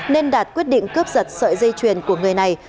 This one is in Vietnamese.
nên đạt quyết định cướp giật sợi dây chuyền của người này